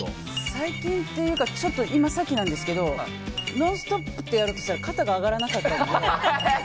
最近というか今さっきなんですけど「ノンストップ！」ってやろうとしたら肩が上がらなかったので。